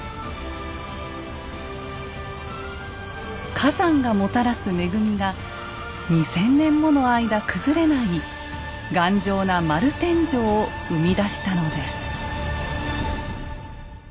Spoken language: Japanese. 火山がもたらす恵みが２，０００年もの間崩れない頑丈な丸天井を生み出したのです。